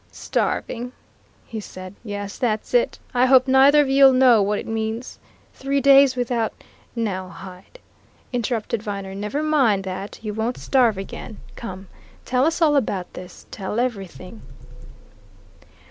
"Starving!" he said. "Yes that's it! I hope neither of you'll know what it means! Three days without " "Now, Hyde!" interrupted Viner. "Never mind that you won't starve again. Come tell us all about this tell everything."